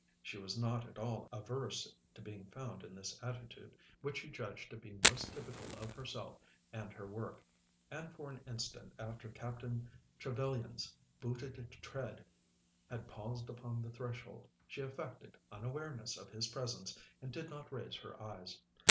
She was not at all averse to being found in this attitude, which she judged to be most typical of herself and her work, and for an instant after Captain Trevellyan's booted tread had paused upon the threshold she affected unawareness of his presence and did not raise her eyes.